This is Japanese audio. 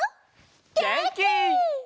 げんき！